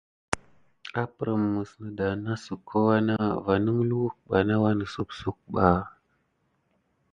Apprem mis neda nosuko wana va nəngluwek ɓa na wannəsepsuk ɓa.